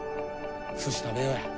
すし食べようや。